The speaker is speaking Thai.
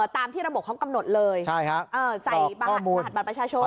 ตามที่ระบบเขากำหนดเลยใช่ค่ะใส่บาทประชาชน